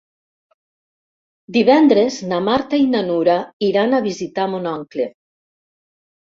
Divendres na Marta i na Nura iran a visitar mon oncle.